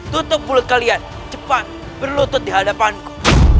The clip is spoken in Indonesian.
tutup mulut kalian jepang berlutut di hadapanku